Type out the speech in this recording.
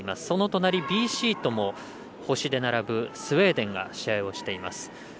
その隣、Ｂシートも星で並ぶスウェーデンが試合をしています。